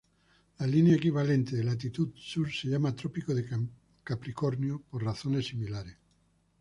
La línea equivalente de latitud sur se llama Trópico de Capricornio, por razones similares.